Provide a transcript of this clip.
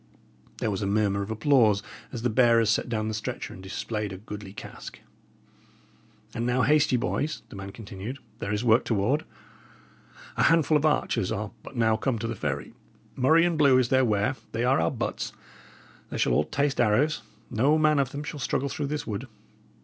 There was a murmur of applause as the bearers set down the stretcher and displayed a goodly cask. "And now haste ye, boys," the man continued. "There is work toward. A handful of archers are but now come to the ferry; murrey and blue is their wear; they are our butts they shall all taste arrows no man of them shall struggle through this wood.